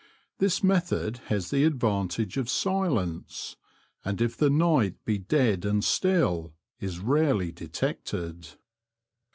This method has the advantage of silence, and if the night be dead and still, is rarely detected.